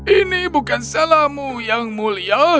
ini bukan salahmu yang mulia